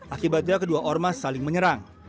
akibatnya kedua ormas saling menyerang